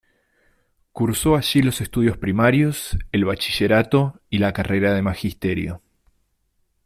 Cursó allí los estudios primarios, el Bachillerato y la carrera de Magisterio.